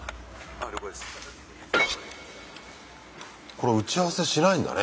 これ打ち合わせしないんだね